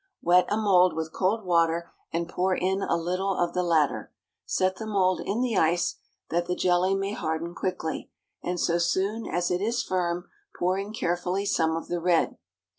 Wet a mould with cold water and pour in a little of the latter. Set the mould in the ice, that the jelly may harden quickly, and so soon as it is firm pour in carefully some of the red.